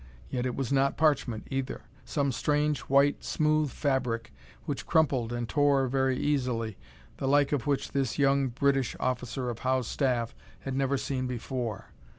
Yet it was not parchment, either. Some strange, white, smooth fabric which crumpled and tore very easily, the like of which this young British officer of Howe's staff had never seen before.